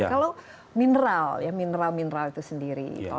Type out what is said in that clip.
kalau mineral ya mineral mineral itu sendiri